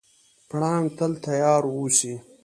پړانګ تل تیار اوسي.